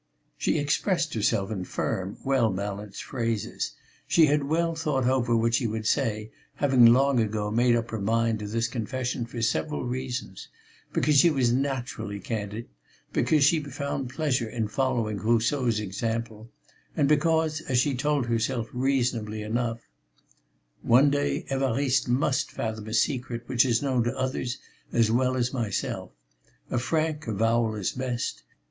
She expressed herself in firm, well balanced phrases. She had well thought over what she would say, having long ago made up her mind to this confession for several reasons because she was naturally candid, because she found pleasure in following Rousseau's example, and because, as she told herself reasonably enough: "One day Évariste must fathom a secret which is known to others as well as myself. A frank avowal is best.